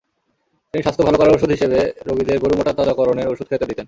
তিনি স্বাস্থ্য ভালো করার ওষুধ হিসেবে রোগীদের গরু মোটাতাজাকরণের ওষুধ খেতে দিতেন।